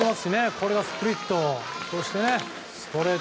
このスプリット。